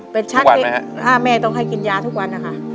เป็นช่างถ้าแม่ต้องให้กินยาทุกวันนะคะ